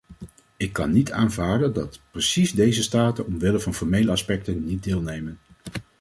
Ik kan niet aanvaarden dat precies deze staten, omwille van formele aspecten, niet deelnemen.